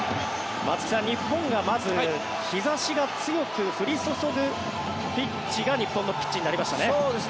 松木さん、日本がまず日差しが強く降り注ぐピッチが日本のピッチになりましたね。